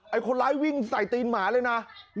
คนร้ายวิ่งใส่ตีนหมาเลยนะ